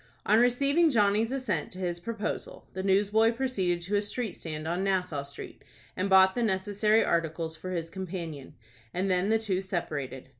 On receiving Johnny's assent to his proposal, the newsboy proceeded to a street stand on Nassau Street, and bought the necessary articles for his companion, and then the two separated.